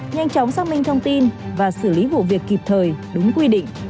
nhanh chóng xác minh thông tin và xử lý vụ việc kịp thời đúng quy định